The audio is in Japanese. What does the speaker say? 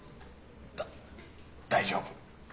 だ大丈夫。